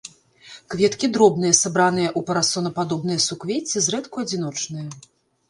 Кветкі дробныя, сабраныя ў парасонападобныя суквецці, зрэдку адзіночныя.